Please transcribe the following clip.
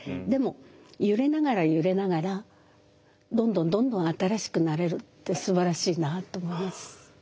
でも揺れながら揺れながらどんどんどんどん新しくなれるってすばらしいなと思います。